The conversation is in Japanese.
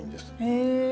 へえ！